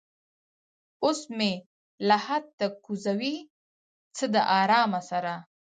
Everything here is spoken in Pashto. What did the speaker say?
اوس مې لحد ته کوزوي څه د ارامه سره